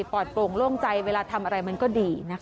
ปลอดโปร่งโล่งใจเวลาทำอะไรมันก็ดีนะคะ